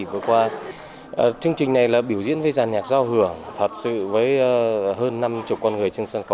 phạm thu hà rất tự hào